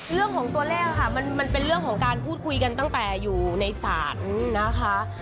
เรื่องของตัวเลขค่ะมันเป็นเรื่องของการพูดคุยกันตั้งแต่อยู่ในศาลนะคะ